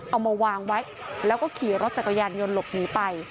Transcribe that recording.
เอามาวางไว้แล้วก็ขี่รถจักรยานยนต์หลบหนีไป